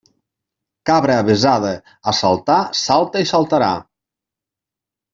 Cabra avesada a saltar salta i saltarà.